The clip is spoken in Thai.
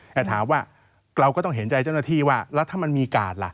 แต่ถามว่าเราก็ต้องเห็นใจเจ้าหน้าที่ว่าแล้วถ้ามันมีกาดล่ะ